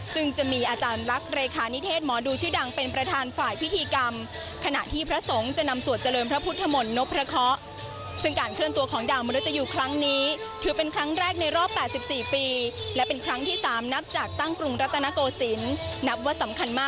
ซึ่งจะมีอาจารย์รักเรคานิเทศหมอดูชื่อดังเป็นประธานฝ่ายพิธีกรรม